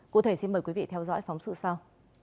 cụ thể xin mời quý vị theo dõi phóng sự sau